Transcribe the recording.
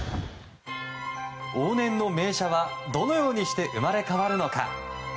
往年の名車は、どのようにして生まれ変わるのか。